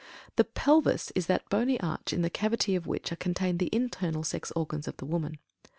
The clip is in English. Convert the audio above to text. THE PELVIS is that bony arch in the cavity of which are contained the internal sex organs of the woman.